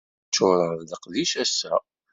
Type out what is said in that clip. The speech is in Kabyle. Ččureɣ d leqdic ass-a.